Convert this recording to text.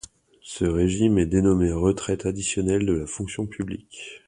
Ce régime est dénommé retraite additionnelle de la fonction publique.